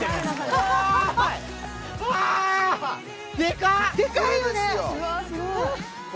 でかいよね。